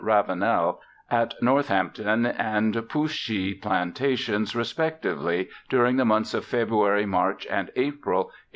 Ravenel at Northampton and Pooshee plantations, respectively, during the months of February, March and April, 1865.